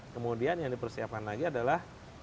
kemudian yang dipersiapkan lagi adalah